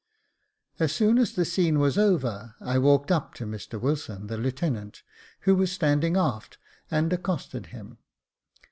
As soon as the scene was over, I walked up to Mr Wilson, the lieutenant, who was standing aft, and accosted him.